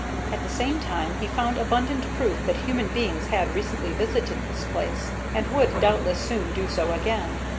At the same time he found abundant proof that human beings had recently visited that place, and would doubtless soon do so again.